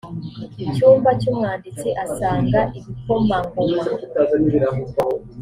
cyumba cy umwanditsi asanga ibikomangoma